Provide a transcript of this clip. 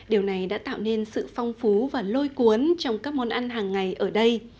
điều này đã tạo nên sự phong phú và lôi cuốn trong các món ăn hàng ngày ở đây